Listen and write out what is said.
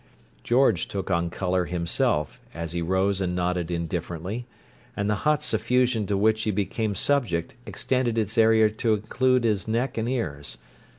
George took on colour, himself, as, he rose and nodded indifferently; and the hot suffusion to which he became subject extended its area to include his neck and ears.